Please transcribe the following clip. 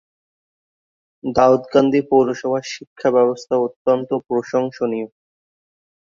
দাউদকান্দি পৌরসভার শিক্ষা ব্যবস্থা অত্যন্ত প্রশংসনীয়।